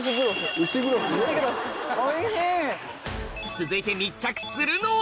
続いて密着するのは